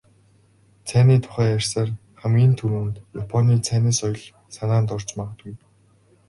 Цайны тухай ярихаар хамгийн түрүүнд "Японы цайны ёслол" санаанд орж магадгүй.